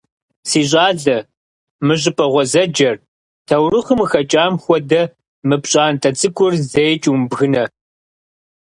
Си щӀалэ, мы щӀыпӀэ гъуэзэджэр, таурыхъым къыхэкӀам хуэдэ мы пщӀантӀэ цӀыкӀур зэикӀ умыбгынэ.